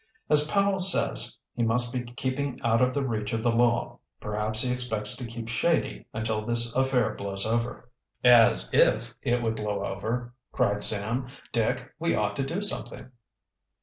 "As Powell says, he must be keeping out of the reach of the law. Perhaps he expects to keep shady until this affair blows over." "As if it would blow over!" cried Sam. "Dick, we ought to do something."